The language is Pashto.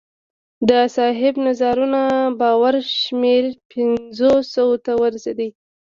د صاحب نظرانو باور شمېر پنځو سوو ته رسېده